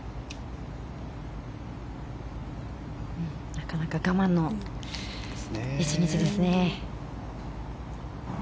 なかなか我慢の１日ですね。